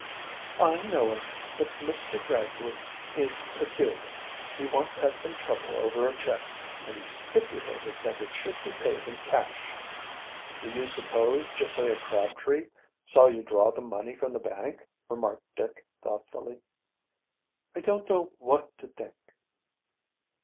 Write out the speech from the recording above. "I know it, but Mr. Gradley is peculiar. He once had some trouble over a check, and he stipulated that he should be paid in cash." "Do you suppose Josiah Crabtree saw you draw the money from the bank?" remarked Dick thoughtfully. "I don't know what to think."